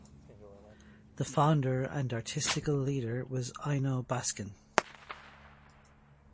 The founder and artistical leader was Eino Baskin.